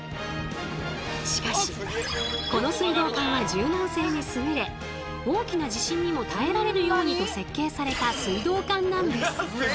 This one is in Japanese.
しかしこの水道管は柔軟性に優れ大きな地震にも耐えられるようにと設計された水道管なんです。